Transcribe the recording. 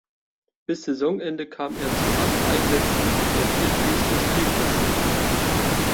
Bis Saisonende kam er zu acht Einsätzen in der vierthöchsten Spielklasse.